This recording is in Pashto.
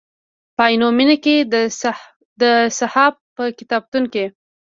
په عینومېنه کې د صحاف په کتابتون کې.